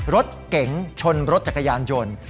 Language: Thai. รถเก๋งชนรถจักรยานยนต์